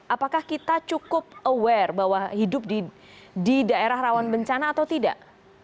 apakah kita cukup aware bahwa hidup di daerah rawan bencana atau tidak